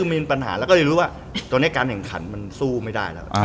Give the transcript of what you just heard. มีปัญหาแล้วก็เรียนรู้ว่าการแข่งขันสู้ไม่ได้